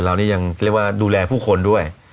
เรานี่ยังเรียกว่าดูแลผู้คนด้วย